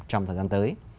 trong thời gian tới